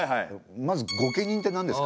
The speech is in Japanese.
まず御家人ってなんですか？